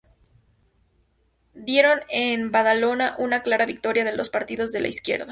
Dieron en Badalona una clara victoria de los partidos de la izquierda.